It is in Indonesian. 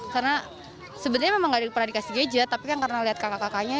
karena sebetulnya memang gak pernah dikasih gadget tapi kan karena lihat kakak kakaknya